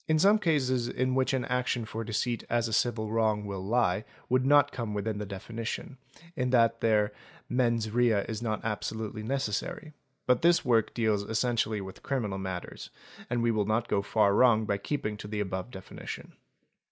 Some cases in which an action for deceit as a civil wrong will lie would not come within the definition, in that there mens rea is not absolutely necessary, but this work deals essentially with criminal matters, and we will not go far wrong by keeping to the above definition.